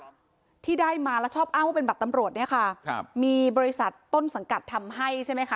ที่ได้มาแล้วชอบอ้างว่าเป็นบัตรตำรวจเนี่ยค่ะครับมีบริษัทต้นสังกัดทำให้ใช่ไหมคะ